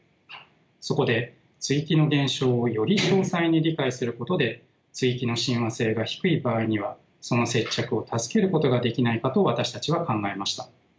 そこで接ぎ木の現象をより詳細に理解することで接ぎ木の親和性が低い場合にはその接着を助けることができないかと私たちは考えました。